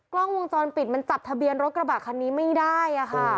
กล้องวงจรปิดมันจับทะเบียนรถกระบะคันนี้ไม่ได้ค่ะ